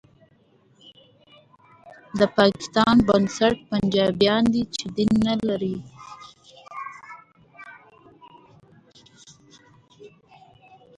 د پاکستان بنسټ پنجابیان دي چې دین نه لري